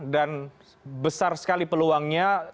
dan besar sekali peluangnya